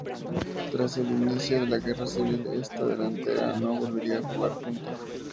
Tras el inicio de la Guerra civil esta delantera no volvería a jugar junta.